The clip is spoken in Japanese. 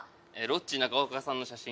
ロッチ中岡さんの写真。